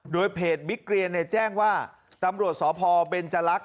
โดยเพจวิกเรียนแจ้งว่าตำรวจสอบพอบริเจลักษณ์